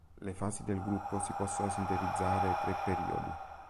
Le fasi del gruppo si possono sintetizzare tre periodi.